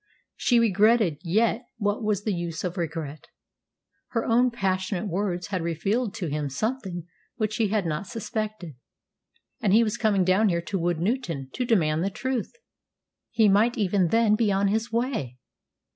She regretted, yet what was the use of regret? Her own passionate words had revealed to him something which he had not suspected. And he was coming down there, to Woodnewton, to demand the truth! He might even then be on his way!